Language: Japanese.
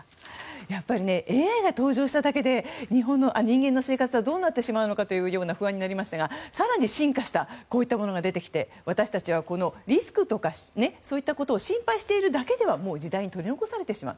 やっぱりＡＩが登場しただけで人間の生活はどうなってしまうのかと不安になりましたが更に進化したこういったものが出てきて私たちはリスクとかそういったことを心配しているだけではもう時代に取り残されてしまう。